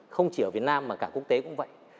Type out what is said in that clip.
không chỉ ở việt nam mà cả quốc tế cũng vậy